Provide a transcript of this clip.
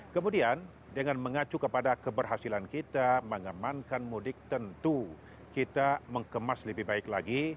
kemudian dengan mengacu kepada keberhasilan kita mengamankan mudik tentu kita mengemas lebih baik lagi